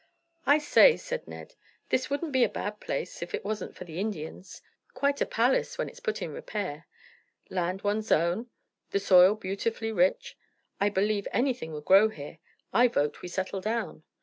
"I say," said Ned, "this wouldn't be a bad place if it wasn't for the Indians. Quite a palace when it's put in repair. Land one's own; the soil beautifully rich. I believe anything would grow here. I vote we settle down."